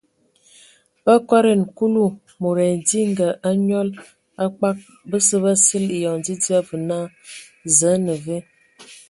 Ba akodan Kulu mod edinga a nyal a kpag basə ba sili eyoŋ dzidzia və naa: Zǝ a ne ve ?.